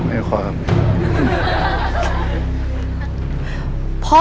ไม่วิเคราะห์ครับ